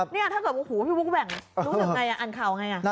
นี่ถ้าเกิดโอ้โหพี่บุ๊คแหว่งรู้สึกไงอ่านข่าวไง